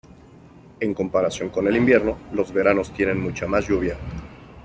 En comparación con el invierno, los veranos tienen mucha más lluvia.